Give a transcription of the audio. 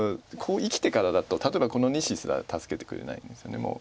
こう生きてからだと例えばこの２子すら助けてくれないんですよね。